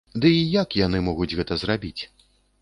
Дый як яны могуць гэта зрабіць?